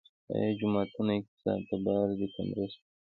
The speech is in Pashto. آیا جوماتونه اقتصاد ته بار دي که مرسته؟